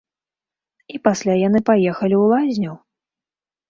І пасля яны паехалі ў лазню!